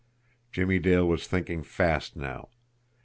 Jimmie Dale was thinking fast now.